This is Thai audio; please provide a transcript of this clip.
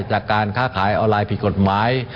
จากการค้าขายออนไลน์ผิดกฎหมาย